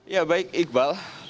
ya baik iqbal